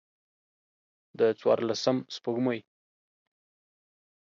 د څوارلسم سپوږمۍ